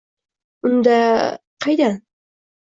— Unda… Qaydan?